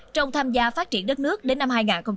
trong tham gia phát triển đất nước đến năm hai nghìn bốn mươi năm